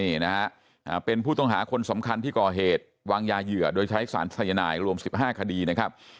นี่นะฮะเป็นผู้ต้องหาคนสำคัญที่ก่อเหตุวางยาเหยื่อโดยใช้สารสายนายรวม๑๕คดีนะครับ